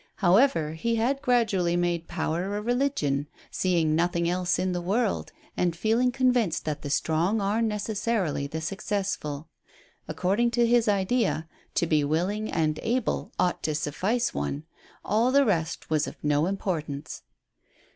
However, he had gradually A STARTLING PROPOSITION. 67 made power a religion, seeing nothing else in the world, and feeling convinced that the strong are necessarily the successful. According to his idea, to be willing and able ought to suffice one. All the rest was of no importance.